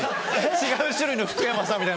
違う種類の福山雅治みたい。